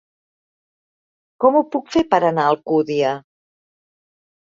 Com ho puc fer per anar a Alcúdia?